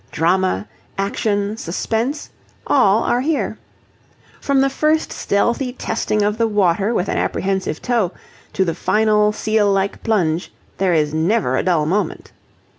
Drama, action, suspense, all are here. From the first stealthy testing of the water with an apprehensive toe to the final seal like plunge, there is never a dull moment.